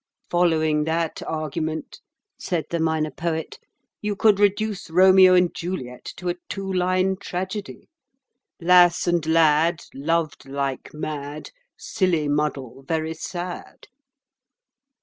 "Following that argument," said the Minor Poet, "you could reduce 'Romeo and Juliet' to a two line tragedy— Lass and lad, loved like mad; Silly muddle, very sad."